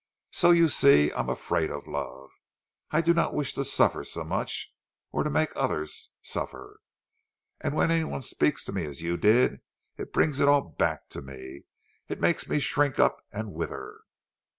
So you see, I am afraid of love. I do not wish to suffer so much, or to make others suffer. And when anyone speaks to me as you did, it brings it all back to me—it makes me shrink up and wither."